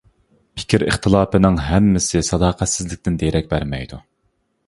پىكىر ئىختىلاپىنىڭ ھەممىسى ساداقەتسىزلىكتىن دېرەك بەرمەيدۇ.